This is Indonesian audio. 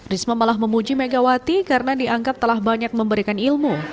risma malah memuji megawati karena dianggap telah banyak memberikan ilmu